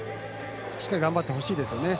しっかり頑張ってほしいですよね。